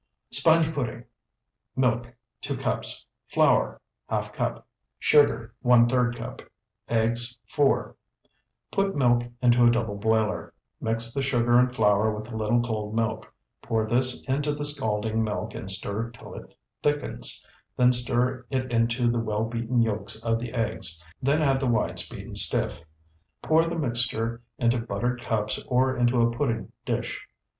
SPONGE PUDDING Milk, 2 cups. Flour, ½ cup. Sugar, ⅓ cup. Eggs, 4. Put milk into a double boiler. Mix the sugar and flour with a little cold milk; pour this into the scalding milk, and stir till it thickens; then stir it into the well beaten yolks of the eggs; then add the whites beaten stiff. Pour the mixture into buttered cups or into a pudding dish.